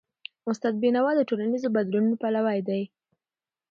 استاد بینوا د ټولنیزو بدلونونو پلوی و.